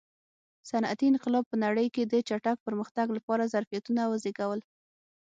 صنعتي انقلاب په نړۍ کې د چټک پرمختګ لپاره ظرفیتونه وزېږول.